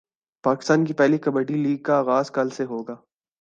پاکستان کی پہلی کبڈی لیگ کا غاز کل سے ہوگا